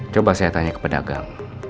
coba saya tanya ke pedagang